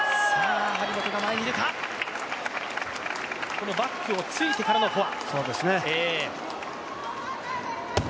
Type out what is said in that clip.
このバックを突いてからのフォア。